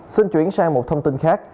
xin chuyển sang một thông tin khác